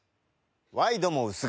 ワイドも薄型